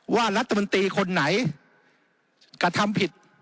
ว่ารัฐมนตรีคนไหนกระทำผิด